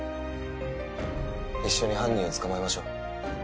一緒に犯人を捕まえましょう。